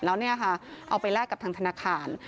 แล้วเอาไปแลกกับทางธนาคาร